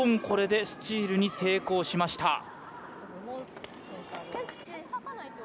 これでスチールに成功しました。